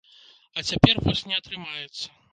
А цяпер вось не атрымаецца.